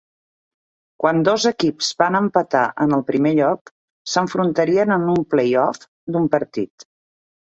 Quan dos equips van empatar en el primer lloc, s'enfrontarien en un playoff d'un partit.